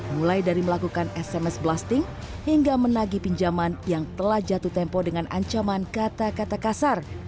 mulai dari melakukan sms blasting hingga menagi pinjaman yang telah jatuh tempo dengan ancaman kata kata kasar